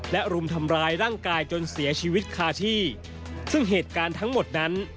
และรุมทำร้ายร่างกายจนเสียชีวิตคาที่ซึ่งเหตุการณ์ทั้งหมดนั้น